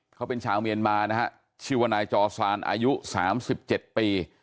เขาเป็นชาวเมียนมาชีวนายจอซานอายุ๓๗ปี